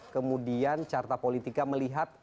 kemudian carta politika melihat